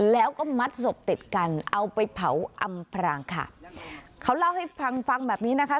แล้วก็มัดศพติดกันเอาไปเผาอำพรางค่ะเขาเล่าให้ฟังฟังแบบนี้นะคะ